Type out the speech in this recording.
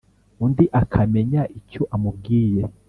undi akamenya icyo amubwiye.